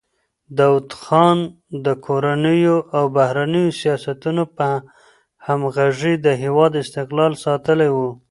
داوود خان د کورنیو او بهرنیو سیاستونو په همغږۍ د هېواد استقلال ساتلی و.